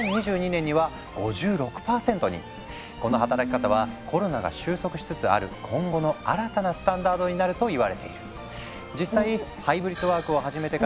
この働き方はコロナが収束しつつある今後の新たなスタンダードになるといわれている。